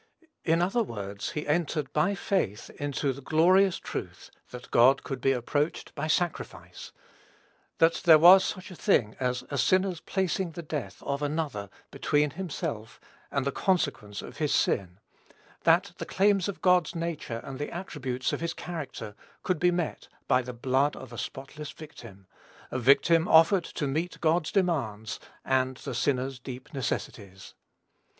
In other words, he entered, by faith, into the glorious truth, that God could be approached by sacrifice; that there was such a thing as a sinner's placing the death of another between himself and the consequence of his sin, that the claims of God's nature and the attributes of his character could be met by the blood of a spotless victim, a victim offered to meet God's demands, and the sinner's deep necessities.